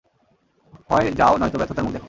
হয় যাও নয়তো ব্যর্থতার মুখ দেখো।